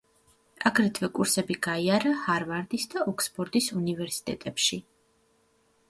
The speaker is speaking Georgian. აგრეთვე კურსები გაიარა ჰარვარდის და ოქსფორდის უნივერსიტეტებში.